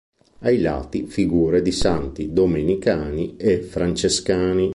Ai lati figure di santi domenicani e francescani.